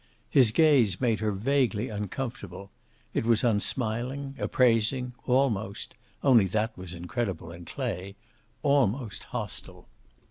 His gaze made her vaguely uncomfortable. It was unsmiling, appraising, almost only that was incredible in Clay almost hostile.